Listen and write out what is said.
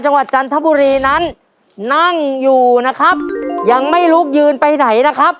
จันทบุรีนั้นนั่งอยู่นะครับยังไม่รู้ยืนไปไหนนะครับ